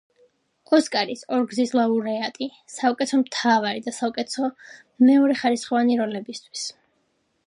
ოსკარის ორგზის ლაურეატი საუკეთესო მთავარი და საუკეთესო მეორეხარისხოვანი როლებისთვის.